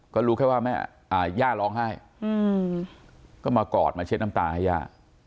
ก็รู้แค่ว่าแม่ย่าร้องไห้ก็มากอดมาเช็ดน้ำตาให้ย่า